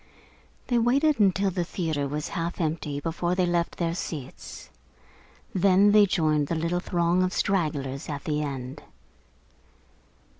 They waited until the theatre was half empty before they left their seats. Then they joined the little throng of stragglers at the end.